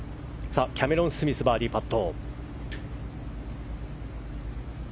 キャメロン・スミスバーディーパット。